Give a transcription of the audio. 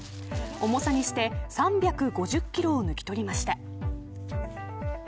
重さにして、３５０キロを抜き取りました。